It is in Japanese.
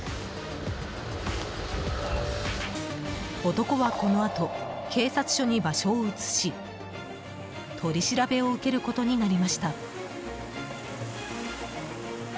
男は、このあと警察署に場所を移し取り調べを受けることになりました。